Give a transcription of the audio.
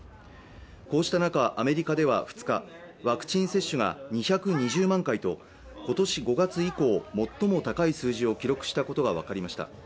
こうした中アメリカでは２日ワクチン接種は２２０万回と今年５月以降最も高い数字を記録したことが分かりました